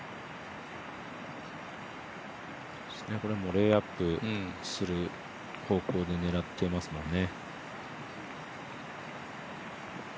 レイアップする方向に狙っていますもんね。